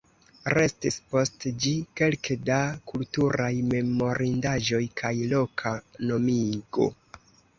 Restis post ĝi kelke da kulturaj memorindaĵoj kaj loka nomigo.